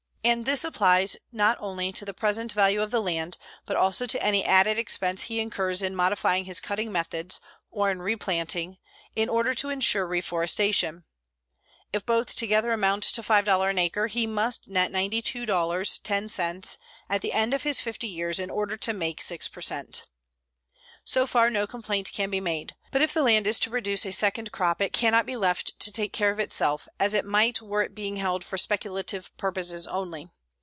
And this applies not only to the present value of the land, but also to any added expense he incurs in modifying his cutting methods, or in replanting, in order to insure reforestation. If both together amount to $5 an acre, he must net $92.10 at the end of his 50 years in order to make 6 per cent. So far no complaint can be made. But if the land is to produce a second crop it cannot be left to take care of itself, as it might were it being held for speculative purposes only.